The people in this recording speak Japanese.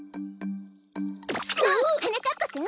はなかっぱくん！